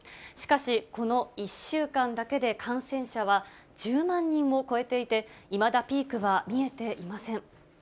しかし、この１週間だけで感染者は１０万人を超えていて、いまだピークは見えていません。